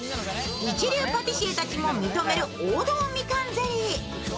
一流パティシエたちも認める王道みかんゼリー。